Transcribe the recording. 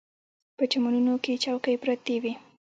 په چمنونو کې چوکۍ پرتې وې.